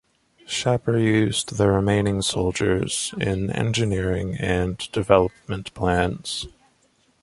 Shapur used the remaining soldiers in engineering and development plans.